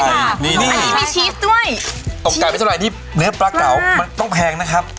อันนี้มีชีสด้วยอกไก่ไม่เท่าไหร่นี่เนื้อปลาเก๋ามันต้องแพงนะครับ